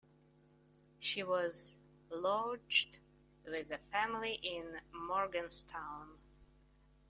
She was lodged with a family in Morganstown.